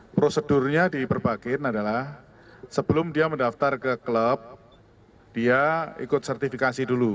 prosedurnya di perbakin adalah sebelum dia mendaftar ke klub dia ikut sertifikasi dulu